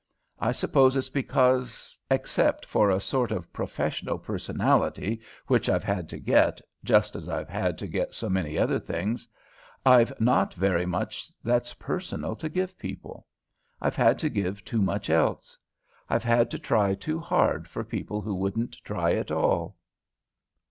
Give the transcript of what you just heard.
I suppose it's because, except for a sort of professional personality, which I've had to get, just as I've had to get so many other things, I've not very much that's personal to give people. I've had to give too much else. I've had to try too hard for people who wouldn't try at all."